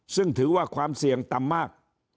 ซึ่งถือว่าความเสี่ยงต่ำมาก